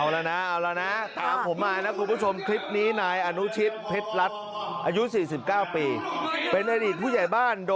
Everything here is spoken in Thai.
แล้วปิดไฟอะไรมันจะเกิดขึ้น